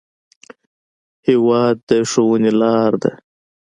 هېواد د ښوونې لار ده.